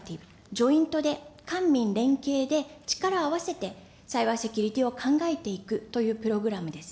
ジョイントで官民連携で力を合わせてサイバーセキュリティを考えていくというプログラムです。